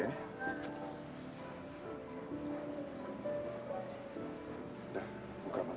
udah buka mata